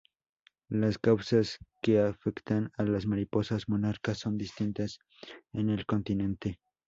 Las causas que afectan a las mariposas Monarca son distintas en el continente.